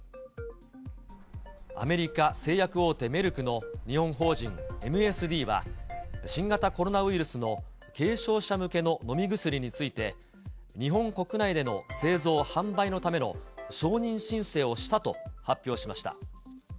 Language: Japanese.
アメリカ製薬大手メルクの日本法人ＭＳＤは、新型コロナウイルスの軽症者向けの飲み薬について、日本国内での製造・販売のための承認申請をしたと発表しました。